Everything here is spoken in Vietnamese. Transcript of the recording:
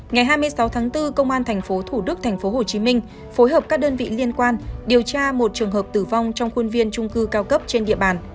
ngày hai mươi sáu tháng bốn công an tp thủ đức tp hcm phối hợp các đơn vị liên quan điều tra một trường hợp tử vong trong khuôn viên trung cư cao cấp trên địa bàn